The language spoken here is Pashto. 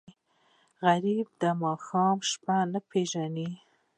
غریب د ماښام شپه نه پېژني